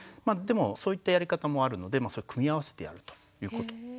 でもそういったやり方もあるので組み合わせてやるということ。